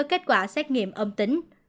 kết quả xét nghiệm âm tính